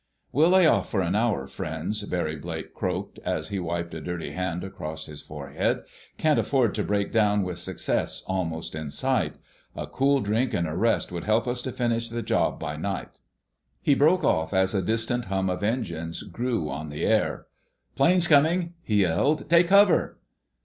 "We'll lay off for an hour, friends," Barry Blake croaked, as he wiped a dirty hand across his forehead. "Can't afford to break down with success almost in sight. A cool drink and a rest will help us to finish the job by night...." He broke off as a distant hum of engines grew on the air. "Planes coming!" he yelled. "Take cover!"